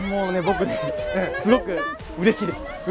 僕、すごくうれしいです。